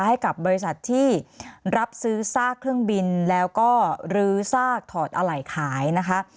ให้กับบริษัทที่รับซื้อซากเครื่องบินแล้วก็ลื้อซากถอดอะไหล่ขายนะคะ